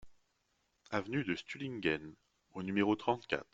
Avenue de Stuhlingen au numéro trente-quatre